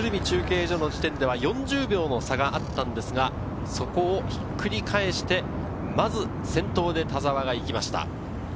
中継所の時点では４０秒の差があったんですが、そこをひっくり返して、まず先頭で田澤が行きました。